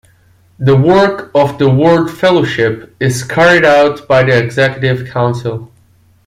The work of the World Fellowship is carried out by the Executive Council.